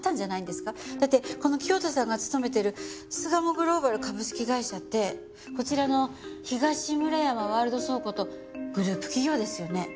だってこの清田さんが勤めてる巣鴨グローバル株式会社ってこちらの東村山ワールド倉庫とグループ企業ですよね？